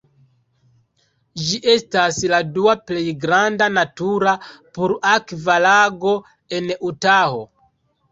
Ĝi estas la dua plej granda natura pur-akva lago en Utaho.